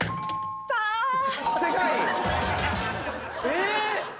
え！？